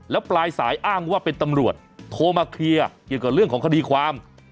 แล้วปลายสายอ้างว่าเป็นตำรวจโทรมาเคลียร์เกี่ยวกับเรื่องของคดีความ